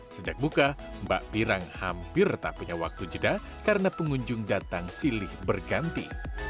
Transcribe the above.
sejak buka mbak pirang hampir tak punya waktu jeda karena pengunjung datang silih berganti